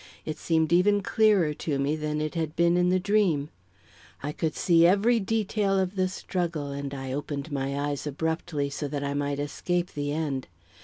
It seemed even clearer to me than it had been in the dream. I could see every detail of the struggle, and I opened my eyes abruptly so that I might escape the end.